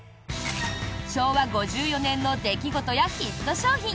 昭和５４年の出来事やヒット商品。